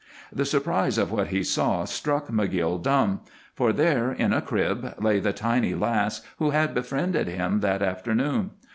The surprise of what he saw struck McGill dumb, for there in a crib lay the tiny lass who had befriended him that afternoon.